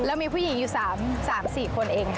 แล้วมีผู้หญิงอยู่๓๔คนเองค่ะ